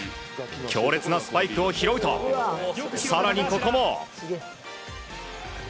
強烈なスパイクを拾うと更にここも。